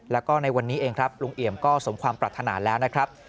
แล้วก็ในวันนี้เองครับลุงเอี่ยมก็สมความปรารถนาแล้วนะครับ